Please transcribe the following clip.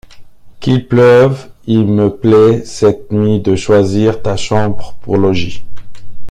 Qu’il pleuve! — Il me plaît cette nuit de choisir Ta chambre pour logis.